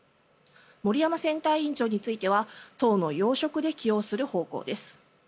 森山選対委員長については党の要職で起用する方向です。